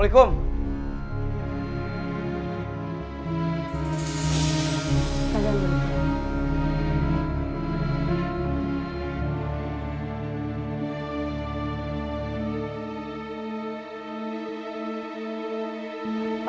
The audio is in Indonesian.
kalian tenang aja